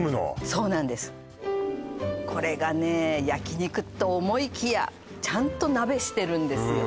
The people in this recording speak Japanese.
そうなんですこれがね焼肉と思いきやちゃんと鍋してるんですよ